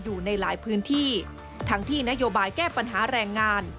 อยู่ในหลายพื้นที่ทั้งที่นโยบายแก้ปัญหาแรงงาน